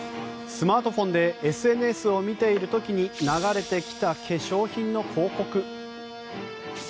スマートフォンでＳＮＳを見ている時に流れてきた化粧品の広告。